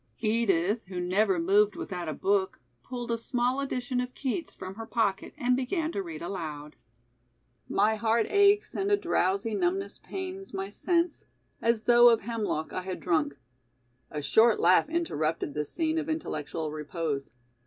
Edith, who never moved without a book, pulled a small edition of Keats from her pocket and began to read aloud: "My heart aches and a drowsy numbness pains My sense, as though of hemlock I had drunk " A short laugh interrupted this scene of intellectual repose.